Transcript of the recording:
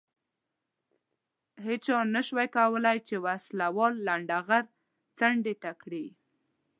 هېچا هم نه شوای کولای چې وسله وال لنډه غر څنډې ته کړي.